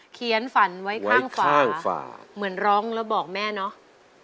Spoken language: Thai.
เขียนฝันไว้ข้างฝาเหมือนร้องแล้วบอกแม่เนาะ